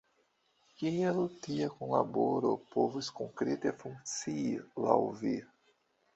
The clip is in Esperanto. Kiel tia kunlaboro povus konkrete funkcii, laŭ vi?